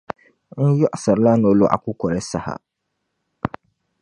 N yiɣisirila nolɔɣu kukoli saha.